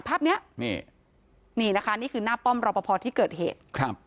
ภาพเนี้ยนี่นี่นะคะนี่คือหน้าป้อมรอปภที่เกิดเหตุครับ